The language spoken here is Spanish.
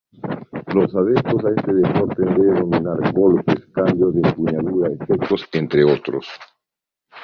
Los adeptos a este deporte deben dominar: golpes, cambios de empuñadura, efectos, entre otros.